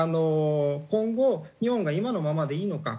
今後日本が今のままでいいのか。